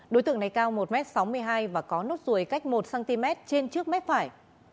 đối tượng này cao một m sáu mươi hai và có nốt ruồi cách một cm trên trước mép phải